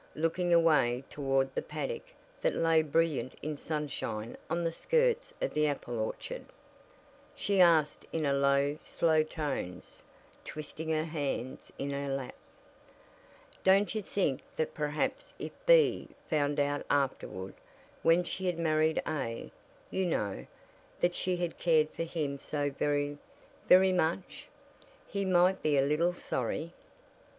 Looking away toward the paddock that lay brilliant in sunshine on the skirts of the apple orchard, she asked in low slow tones, twisting her hands in her lap: "Don't you think that perhaps if B found out afterward when she had married A, you know that she had cared for him so very, very much, he might be a little sorry?"